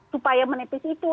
supaya menepis itu